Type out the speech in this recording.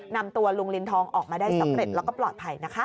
นำตัวลุงลินทองออกมาได้สำเร็จแล้วก็ปลอดภัยนะคะ